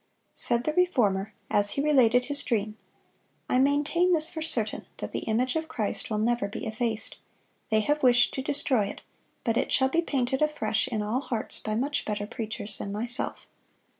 " Said the Reformer, as he related his dream, "I maintain this for certain, that the image of Christ will never be effaced. They have wished to destroy it, but it shall be painted afresh in all hearts by much better preachers than myself."